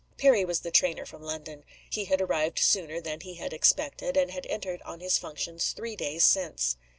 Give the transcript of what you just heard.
(Perry was the trainer from London. He had arrived sooner than he had been expected, and had entered on his functions three days since.)